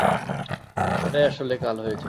এটাই আসলে কাল হয়েছে।